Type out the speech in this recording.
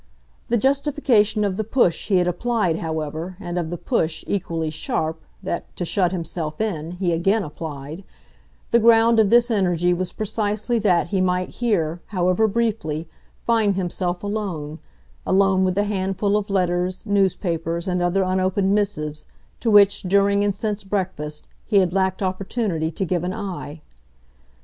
The justification of the push he had applied, however, and of the push, equally sharp, that, to shut himself in, he again applied the ground of this energy was precisely that he might here, however briefly, find himself alone, alone with the handful of letters, newspapers and other unopened missives, to which, during and since breakfast, he had lacked opportunity to give an eye.